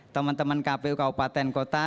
teman teman kpu kabupaten kota